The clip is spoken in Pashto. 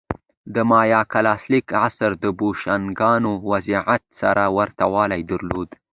د مایا کلاسیک عصر د بوشونګانو وضعیت سره ورته والی درلود